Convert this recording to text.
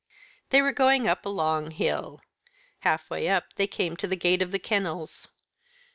They were going up a long hill. Halfway up they came to the gate of the kennels.